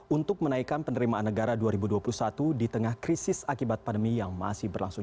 untuk menaikkan penerimaan negara dua ribu dua puluh satu di tengah krisis akibat pandemi yang masih berlangsung